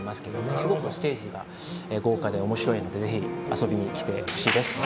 すごくステージが豪華で面白いのでぜひ遊びに来てほしいです。